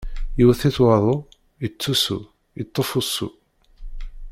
Yewwet-it waḍu, yettusu, yeṭṭef ussu.